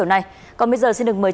một mươi hai ô tô honda city tuyệt vời